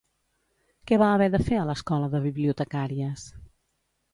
Què va haver de fer a l'Escola de Bibliotecàries?